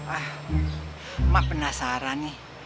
ah mak penasaran nih